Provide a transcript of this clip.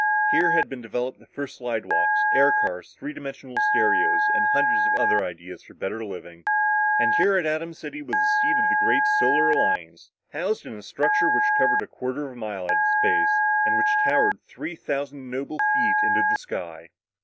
Here had been developed the first slidewalks, air cars, three dimensional stereos and hundreds of other ideas for better living. And here at Atom City was the seat of the great Solar Alliance, housed in a structure which covered a quarter of a mile at its base and which towered three thousand noble feet into the sky.